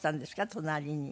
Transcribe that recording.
隣に。